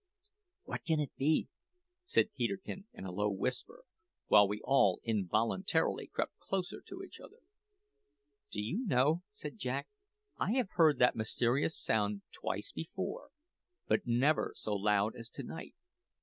"What can it be?" said Peterkin in a low whisper, while we all involuntarily crept closer to each other. "Do you know," said Jack, "I have heard that mysterious sound twice before, but never so loud as to night.